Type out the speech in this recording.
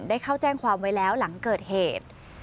ได้เข้าแจ้งความไว้แล้วหลังเกิดเหตุ